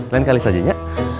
lain kali sajanya